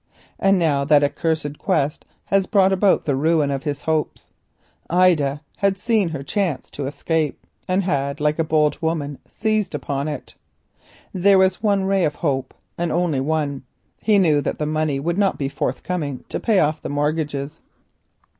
And now that accursed Quest had brought about the ruin of his hopes. Ida had seen her chance of escape, and, like a bold woman, had seized upon it. There was one ray of hope, and one only. He knew that the money would not be forthcoming to pay off the mortgages.